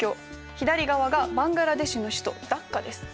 左側がバングラデシュの首都ダッカです。